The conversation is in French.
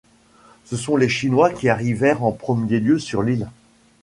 Ce sont les Chinois qui arrivèrent en premier lieu sur l’île.